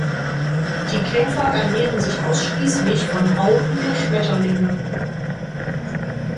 Die Käfer ernähren sich ausschließlich von Raupen der Schmetterlinge.